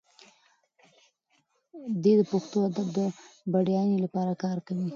دی د پښتو ادب د بډاینې لپاره کار کوي.